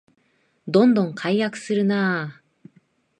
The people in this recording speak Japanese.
どんどん改悪するなあ